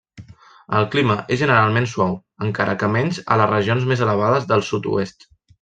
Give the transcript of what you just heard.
El clima és generalment suau, encara que menys a les regions més elevades del sud-oest.